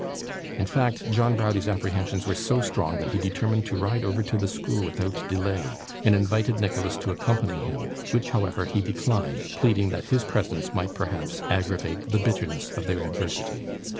In fact, John Browdie's apprehensions were so strong that he determined to ride over to the school without delay, and invited Nicholas to accompany him, which, however, he declined, pleading that his presence might perhaps aggravate the bitterness of their adversity.